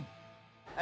え